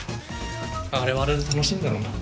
あれはあれで楽しいんだろうな。